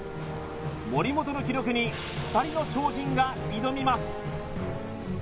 森本の記録に２人の超人が挑みます